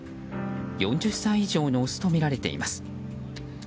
４０歳以上のオスとみられています。